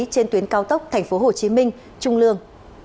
trên tuyến cao tốc tp hcm trung lương